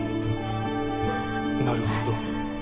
なるほど。